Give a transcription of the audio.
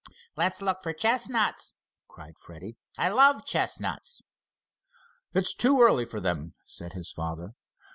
"Let's look for chestnuts!" cried Freddie. "I love chestnuts!" "It's too early for them," said his father.